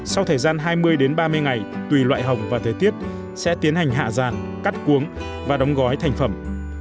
sau thời gian hai mươi ba mươi ngày tùy loại hồng và thời tiết sẽ tiến hành hạ ràn cắt cuống và đóng gói thành phẩm